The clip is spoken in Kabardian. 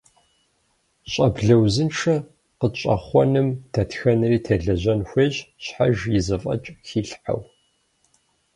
Щӏэблэ узыншэ къытщӏэхъуэным дэтхэнэри телэжьэн хуейщ, щхьэж и зэфӏэкӏ хилъхьэу.